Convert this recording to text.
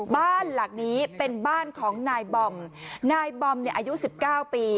บ้านหลังนี้เป็นบ้านของนายบอมนายบอมเนี่ยอายุ๑๙ปี